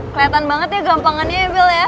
keliatan banget ya gampangnya emil ya